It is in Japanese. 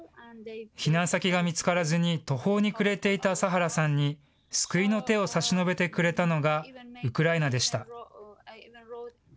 避難先が見つからずに途方に暮れていたサハラさんに、救いの手を差し伸べてくれたのがウクライナでした。